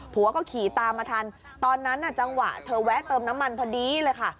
ผัวก็ขี่ตามมาทันตอนนั้นจังหวะเธอแวะเติมน้ำมันพอดีเลยค่ะ